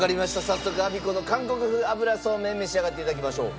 早速アビコの韓国風油そうめん召し上がって頂きましょう。